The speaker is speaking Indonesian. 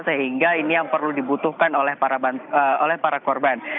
sehingga ini yang perlu dibutuhkan oleh para korban